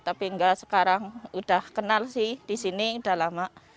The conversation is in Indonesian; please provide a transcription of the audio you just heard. tapi enggak sekarang udah kenal sih di sini udah lama